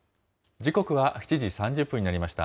時刻は７時３０分になりました。